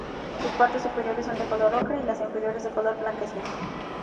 Sus partes superiores son de color ocre y las inferiores de color blanquecino.